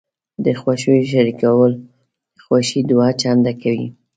د خوښیو شریکول خوښي دوه چنده کوي.